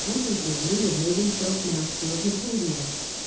entered Italy, and made himself master of Apulia.